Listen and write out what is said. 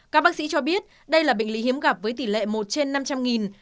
các bác sĩ cho biết đây là bệnh lý hiếm gặp với tỷ lệ một trên năm trăm linh